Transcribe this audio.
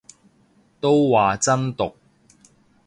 都話真毒